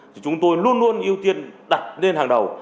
thì chúng tôi luôn luôn ưu tiên đặt lên hàng đầu